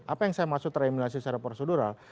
apa yang saya maksud tereminasi secara prosedural